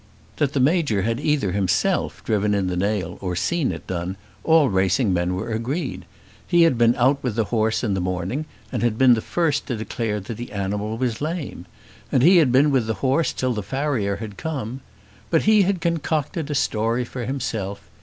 That the Major had either himself driven in the nail or seen it done, all racing men were agreed. He had been out with the horse in the morning and had been the first to declare that the animal was lame. And he had been with the horse till the farrier had come. But he had concocted a story for himself.